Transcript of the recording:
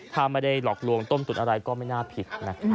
ถ้าไม่ได้หลอกลวงต้มตุ๋นอะไรก็ไม่น่าผิดนะ